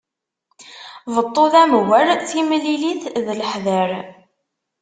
Beṭṭu d amger, timlilit d leḥder.